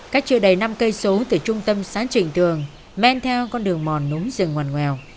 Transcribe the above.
cách trưa đầy năm km từ trung tâm xã trình tường men theo con đường mòn núm rừng hoàn nguèo